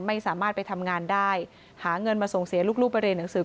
ไม่สามารถไปทำงานได้หาเงินมาส่งเสียลูกไปเรียนหนังสือ